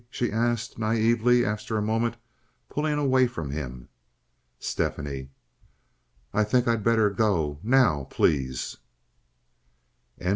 she asked, naively, after a moment, pulling away from him. "Stephanie!" "I think I'd better go, now, please." CHAPTER XXVI.